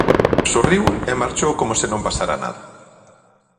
Sorriu e marchou como se non pasara nada.